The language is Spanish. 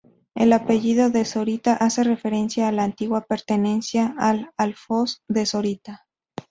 El apellido "de Zorita" hace referencia a la antigua pertenencia al alfoz de Zorita.